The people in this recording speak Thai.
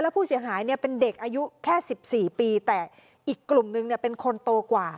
แล้วผู้เสียหายเนี่ยเป็นเด็กอายุแค่สิบสี่ปีแต่อีกกลุ่มหนึ่งเนี่ยเป็นคนโตกว่า